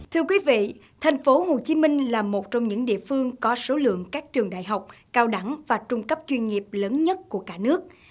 thưa quý vị tp hcm là một trong những địa phương có số lượng các trường đại học cao đẳng và trung cấp chuyên nghiệp lớn nhất của cả nước